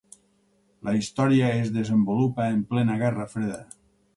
La història es desenvolupa en plena guerra freda.